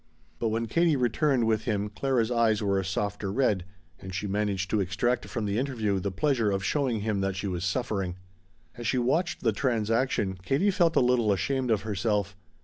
But when Katie returned with him Clara's eyes were a softer red and she managed to extract from the interview the pleasure of showing him that she was suffering. As she watched the transaction, Katie felt a little ashamed of herself.